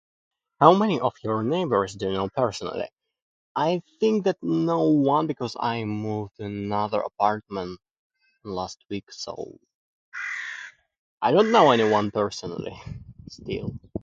How many of your neighbors do you know personally? I think that no one because I moved in another apartment last week. So, I don't know anyone personally, still.